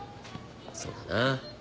そうだな。